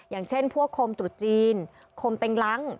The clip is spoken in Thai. อย่างเช่นพวกโคมตรุษจีนโคมเต็งล้าง